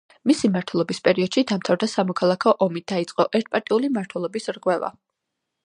მისი მმართველობის პერიოდში დამთავრდა სამოქალაქო ომი დაიწყო ერთპარტიული მმართველობის რღვევა.